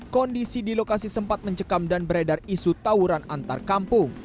kondisi di lokasi sempat mencekam dan beredar isu tawuran antar kampung